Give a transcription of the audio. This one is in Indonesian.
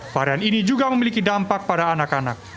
varian ini juga memiliki dampak pada anak anak